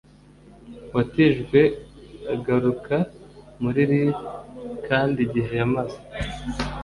watijwe agaruka muri rib kandi igihe yamaze